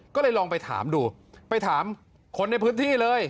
ก็เลยลองไปถามดูไปถามคนในพื้นที่เลย